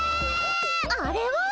あれは。